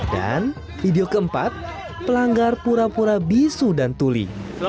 dan video keempat pelanggar pura pura bisu dan tuli